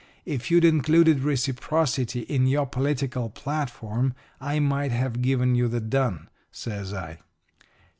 'If you'd included reciprocity in your political platform I might have given you the dun,' says I.